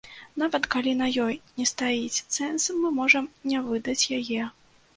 Нават калі на ёй не стаіць цэнз, мы можам не выдаць яе.